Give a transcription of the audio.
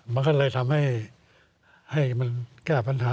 มันก็เลยทำให้มันแก้ปัญหา